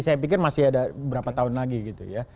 saya pikir masih ada berapa tahun lagi gitu ya